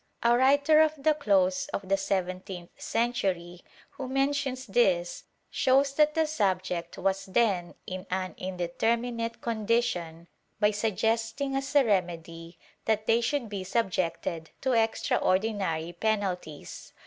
A writer of the close of the seventeenth century, who mentions this, shows that the subject was then in an indeterminate condition, by suggesting as a remedy that they should be subjected to extraordinary penalties.